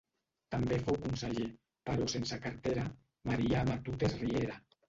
També fou conseller, però sense cartera, Marià Matutes Riera.